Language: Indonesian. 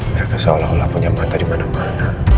gak keseolah olah punya mata di mana mana